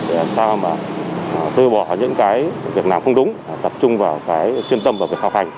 để làm sao mà tư bỏ những cái việc nào không đúng tập trung vào cái chuyên tâm và việc học hành